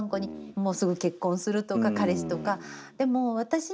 「もうすぐ結婚する」とか彼氏とか。